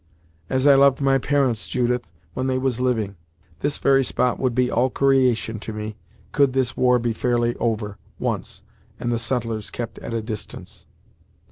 "As I loved my parents, Judith, when they was living! This very spot would be all creation to me, could this war be fairly over, once; and the settlers kept at a distance."